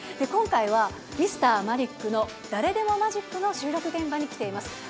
今回は「Ｍｒ．マリックの誰でもマジック」の収録現場に来ています。